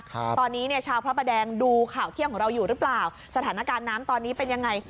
ครับตอนนี้เนี่ยชาวพระประแดงดูข่าวเที่ยงของเราอยู่หรือเปล่าสถานการณ์น้ำตอนนี้เป็นยังไง